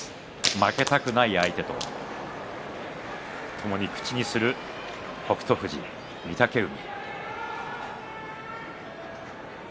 負けたくない相手とともに口にする北勝富士、御嶽海。